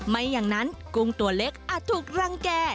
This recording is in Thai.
ไม่อย่างนั้นกุ้งตัวเล็กอาจถูกรังแก่